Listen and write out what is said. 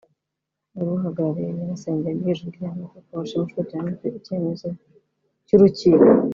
wari uhagarariye nyirasenge yabwiye Ijwi ry’Amerika ko bashimishijwe cyane n’icyo cyemezo cy’urukiko